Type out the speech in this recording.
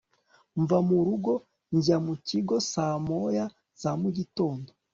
mva mu rugo njya mu kigo saa moya za mugitondo